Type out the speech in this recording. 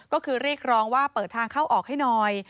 ก็คือเรียกร้องว่าเปิดทางเข้าออกให้หน่อย